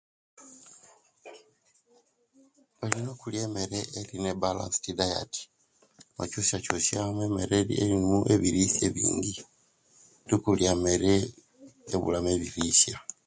Olina okulya emere elimu baalansit dayate nochusyachusyamu emere elimu ebilisya ebingi tekulya emere ebulaamu ebilisya